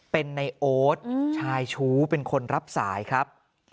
เป็นในโอ๊ตชายชู้เป็นคนรับสายครับ